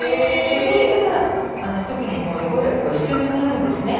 そうしたら特にもう予防薬は必要なくなるんですね。